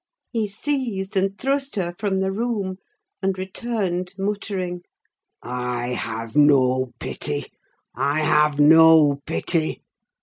He seized, and thrust her from the room; and returned muttering—"I have no pity! I have no pity!